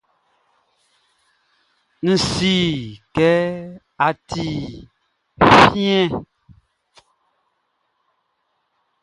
N si kɛ ɔ ti fiɛn.